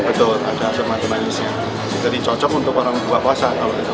betul ada asam dan manisnya jadi cocok untuk orang buah kuasa